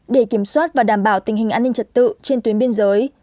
để kiểm soát và đảm bảo tình hình an ninh trật tự trên tuyến biên giới